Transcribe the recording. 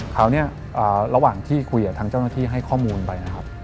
คราวนี้ระหว่างที่คุยกับทางเจ้าหน้าที่ให้ข้อมูลไปนะครับ